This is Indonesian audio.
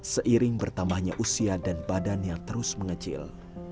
seiring bertambahnya usia dan badan yang terus mengecil